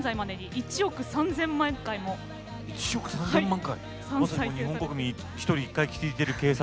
１億３，０００万回⁉まさに日本国民１人１回聴いてる計算。